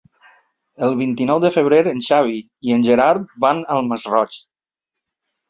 El vint-i-nou de febrer en Xavi i en Gerard van al Masroig.